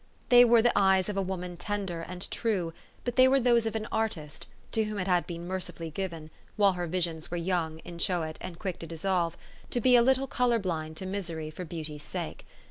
They were the eyes of a woman tender and true ; but they were those of an artist, to whom it had been mercifully given while her visions were young, inchoate, and quick to dissolve to be a little color blind to misery for beauty's sake.